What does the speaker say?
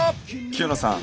清野さん。